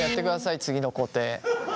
次の工程。